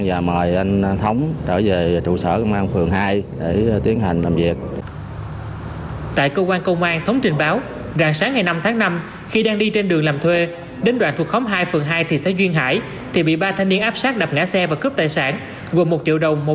và mời anh thống trở về trụ sở công an phường